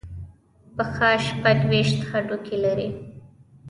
پښه شپږ ویشت هډوکي لري.